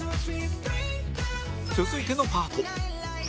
続いてのパート